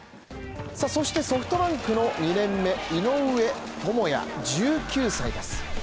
そしてソフトバンクの２年目、井上朋也１９歳です。